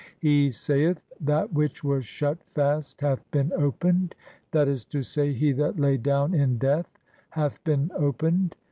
[He saith :—] "That which was shut fast hath been opened, that is to say, "he that lay down in death [hath been opened].